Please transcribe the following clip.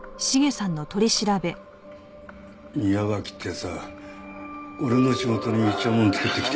宮脇って奴は俺の仕事にいちゃもんつけてきて。